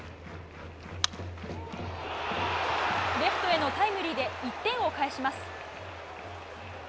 レフトへのタイムリーで１点を返します。